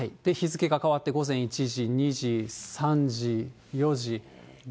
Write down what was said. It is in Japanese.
日付が変わって午前１時、２時、３時、４時、５時、６時。